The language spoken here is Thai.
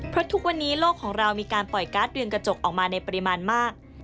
เพราะทุกวันนี้โลกของเรามีการปล่อยการ์ดเรือนกระจกออกมาในปริมาณมาก